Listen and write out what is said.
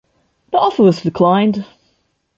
The offer was declined.